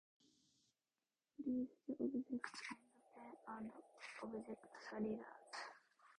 Place the objects on the pan and adjust the riders.